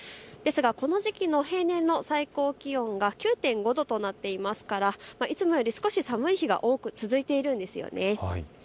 ですがこの時期の平年の最高気温が９．５度となっていますからいつもより少し寒い日が多く続いているんですよね。